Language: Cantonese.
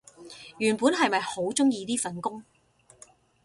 原本係咪好鍾意呢份工